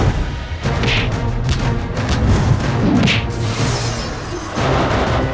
lengkingi kosong karena danarik